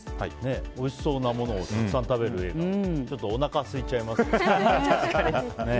おいしそうなものをたくさん食べる映画でちょっとおなかすいちゃいますね。